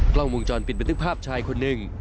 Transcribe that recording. กล้องวงจรปิดบันทึกภาพชายคนหนึ่ง